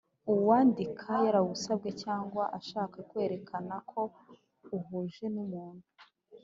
uwandika yawusabwe cyangwa ashaka kwerekana ko uhuje n’umuntu